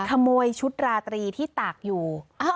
ขโมยชุดราตรีที่ตากอยู่